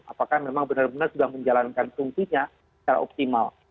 apakah memang benar benar sudah menjalankan fungsinya secara optimal